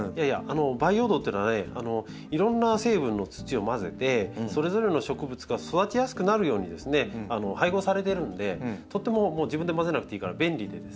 培養土というのはねいろんな成分の土を混ぜてそれぞれの植物が育ちやすくなるようにですね配合されてるのでとっても自分で混ぜなくていいから便利なんですね。